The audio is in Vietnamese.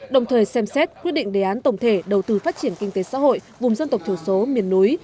đồng thời xem xét quyết định đề án tổng thể đầu tư phát triển kinh tế xã hội vùng dân tộc thiểu số miền núi